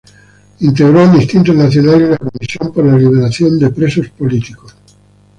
Integró Amnistía Internacional y la Comisión por la liberación de Presos Políticos.